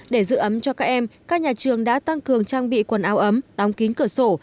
để giữ ấm cho các em các nhà trường đã tăng cường trang bị quần áo ấm đóng kín cửa sổ